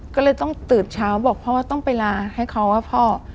ก็เลยต้องตื่นเช้าบอกพ่อต้องไปลาให้เขาว่าพ่อ